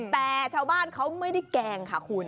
แต่ชาวบ้านเขาไม่ได้แกล้งค่ะคุณ